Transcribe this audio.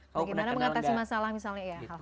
bagaimana mengatasi masalah misalnya